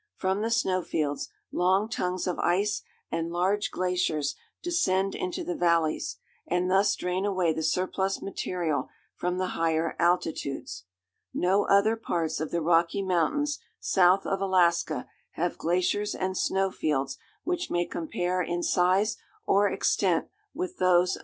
From the snowfields, long tongues of ice and large glaciers descend into the valleys, and thus drain away the surplus material from the higher altitudes. No other parts of the Rocky Mountains, south of Alaska, have glaciers and snowfields which may compare in size or extent with those of the Waputehk Range.